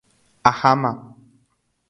Aháma.